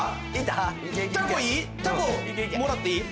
タコもらっていい？